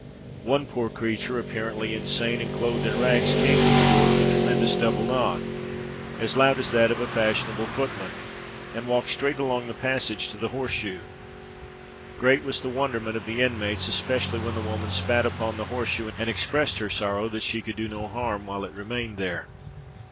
One poor creature, apparently insane, and clothed in rags, came to the door with a tremendous double knock, as loud as that of a fashionable footman, and walked straight along the passage to the horse shoe. Great was the wonderment of the inmates, especially when the woman spat upon the horse shoe, and expressed her sorrow that she could do no harm while it remained there.